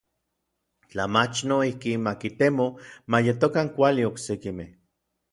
Tla mach noijki ma kitemo ma yetokan kuali oksekimej.